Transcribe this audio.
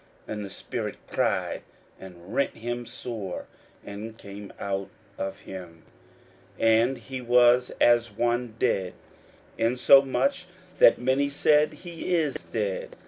41:009:026 And the spirit cried, and rent him sore, and came out of him: and he was as one dead; insomuch that many said, He is dead.